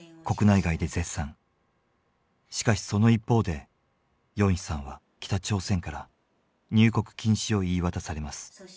しかしその一方でヨンヒさんは北朝鮮から入国禁止を言い渡されます。